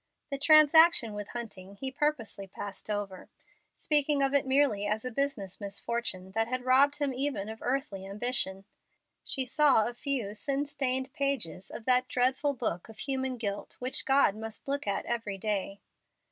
The transaction with Hunting he purposely passed over, speaking of it merely as a business misfortune that had robbed him even of earthly ambition. She saw a few sin stained pages of that dreadful book of human guilt which God must look at every day.